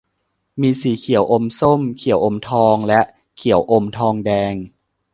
มีสีเขียวอมส้ม เขียวอมทอง และเขียวอมทองแดง